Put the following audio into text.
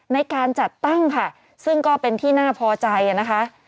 ในการจัดตั้งค่ะซึ่งก็เป็นที่น่าพอใจนะคะ